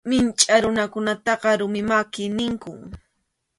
Michʼa runakunataqa rumi maki ninku.